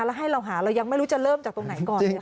แล้วให้เราหาเรายังไม่รู้จะเริ่มจากตรงไหนก่อน